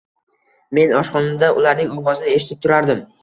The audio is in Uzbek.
Men oshxonada, ularning ovozini eshitib turardim